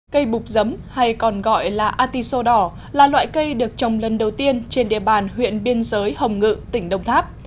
cây bục giấm hay còn gọi là ati sô đỏ là loại cây được trồng lần đầu tiên trên địa bàn huyện biên giới hồng ngự tỉnh đông tháp